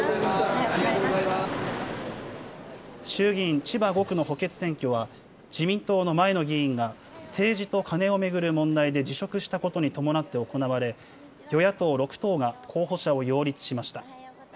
衆議院千葉５区の補欠選挙は自民党の前の議員が政治とカネを巡る問題で辞職したことに伴って行われ与野党６党が候補者を擁立しました。